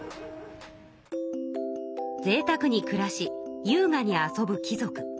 ぜいたくにくらしゆうがに遊ぶ貴族。